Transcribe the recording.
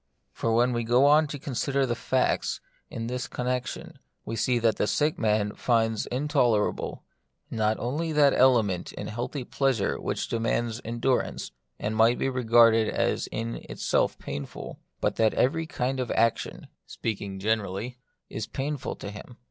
For when we go on to consider the facts in 50 The Mystery of Pain. this connexion, we see that the sick man finds intolerable, not only that element in healthy pleasure which demands endurance, and might be regarded as in itself painful, but that every kind of action (speaking gene rally) is painful to him.